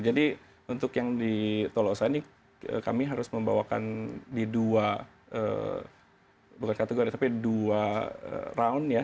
jadi untuk yang di tolosa ini kami harus membawakan di dua bukan kategori tapi dua round ya